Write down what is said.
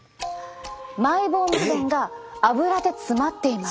マイボーム腺がアブラで詰まっています。